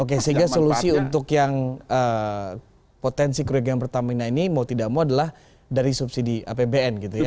oke sehingga solusi untuk yang potensi kerugian pertamina ini mau tidak mau adalah dari subsidi apbn gitu ya